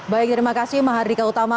baik terima kasih mahardika utama